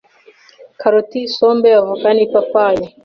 karoti, isombe, avoka, n’ipapayi